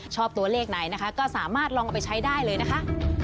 ชอบตัวเลขไหนนะคะก็สามารถลองเอาไปใช้ได้เลยนะคะ